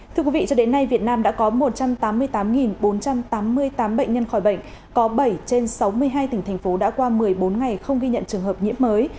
thưa quý vị cho đến nay việt nam đã có một trăm tám mươi tám bốn trăm tám mươi tám bệnh nhân khỏi bệnh có bảy trên sáu mươi hai tỉnh thành phố đã qua một mươi bốn ngày không ghi nhận trường hợp nhiễm mới